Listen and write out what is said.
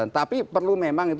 tapi perlu memang itu